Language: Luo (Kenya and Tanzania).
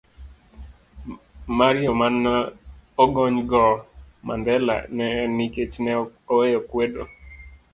C. mar Yo ma ne ogonygo Mandela ne en nikech ne oweyo kwedo